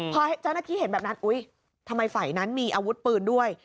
พอเจ้าหน้าที่เห็นแบบนั้นอุ๊ยทำไมฝ่ายนั้นมีอาวุธปืนด้วย